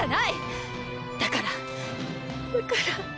だからだから。